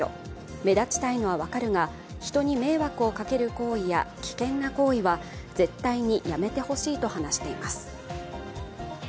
目立ちたいのは分かるが、人に迷惑をかける行為や危険な行為は絶対にやめてほしいと話しています。